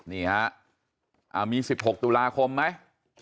นี่ฮะมี๑๖ตุลาคมไหม